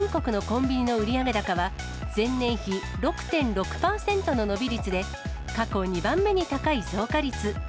業界団体によりますと、ことし４月の全国のコンビニの売上高は、前年比６．６％の伸び率で、過去２番目に高い増加率。